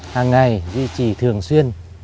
hàng ngày duy trì thường xuyên